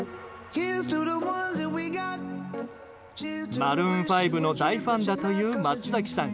マルーン５の大ファンだという松崎さん。